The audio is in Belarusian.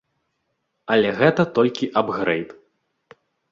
Але гэта толькі ап-грэйд.